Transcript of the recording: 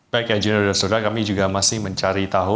baik ya junior dan sudara kami juga masih mencari tahu